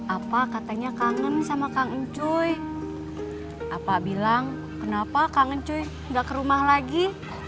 apa katanya kangen sama kang cuy apa bilang kenapa kangen cuy gak ke rumah lagi